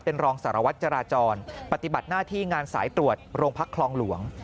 เป็นรองสารวัตรจราจรปฏิบัติหน้าที่งานสายตรวจโรงพักคลองหลวง